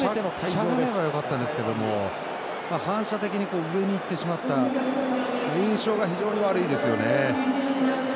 しゃがめばよかったんですが反射的に上に行ってしまった印象が非常に悪いですよね。